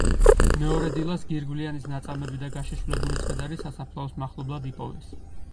მეორე დილას გირგვლიანის „ნაწამები და გაშიშვლებული ცხედარი“ სასაფლაოს მახლობლად იპოვეს.